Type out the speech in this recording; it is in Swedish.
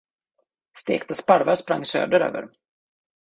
Stekta sparvar sprang söderöver.